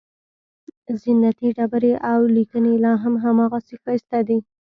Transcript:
زینتي ډبرې او لیکنې لاهم هماغسې ښایسته دي.